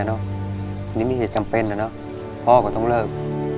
อันนี้มีเหตุจำเป็นนะพ่อก็ต้องเลิก